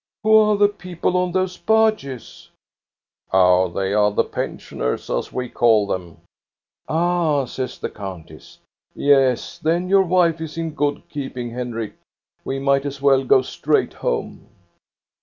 " Who are the people on those barges? "" Oh, they are the pensioners, as we call them." Ah," says the countess. " Yes, then your wife is in good keeping, Henrik. We might as well go straight home."